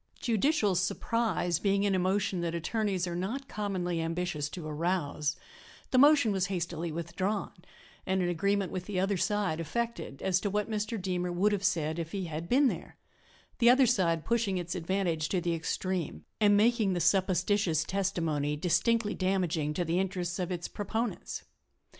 Judicial surprise being an emotion that attorneys are not commonly ambitious to arouse, the motion was hastily withdrawn and an agreement with the other side effected as to what Mr. Deemer would have said if he had been there the other side pushing its advantage to the extreme and making the supposititious testimony distinctly damaging to the interests of its proponents.